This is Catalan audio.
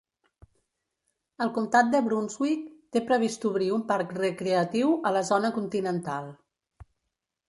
El comtat de Brunswick té previst obrir un parc recreatiu a la zona continental.